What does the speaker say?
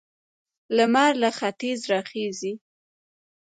لمر له ختیځه راخيژي.